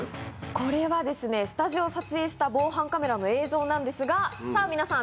これはスタジオを撮影した防犯カメラの映像なんですがさぁ皆さん。